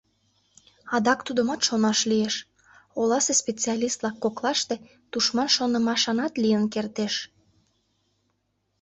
Адак тудымат шонаш лиеш: оласе специалист-влак коклаште тушман шонымашанат лийын кертеш.